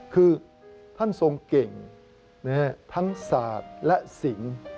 คือท่านทรงเก่งทั้งศาสตร์และสิง